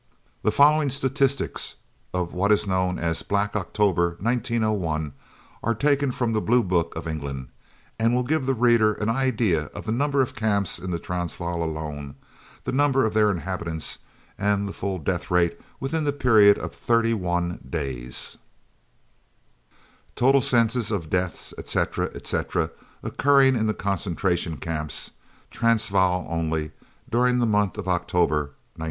The following statistics of what is known as "Black October 1901" are taken from the Blue Books of England and will give the reader an idea of the number of camps in the Transvaal alone, the number of their inhabitants, and the full death rate within the period of thirty one days: TOTAL CENSUS OF DEATHS, ETC. ETC., OCCURRING IN THE CONCENTRATION CAMPS, TRANSVAAL ONLY, DURING THE MONTH OF OCTOBER 1901.